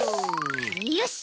よし。